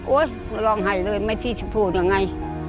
โอ๊ยลองให้เลยไม่ที่จะพูดยังไง